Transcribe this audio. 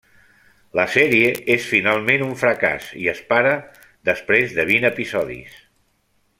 La sèrie és finalment un fracàs i es para després de vint episodis.